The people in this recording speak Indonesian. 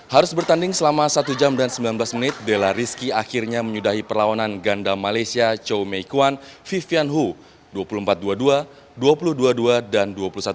harus bertanding selama satu jam dan sembilan belas menit della rizky akhirnya menyudahi perlawanan ganda malaysia cho meikuan vivian hu dua puluh empat dua puluh dua dua puluh dua puluh dua dan dua puluh satu dua belas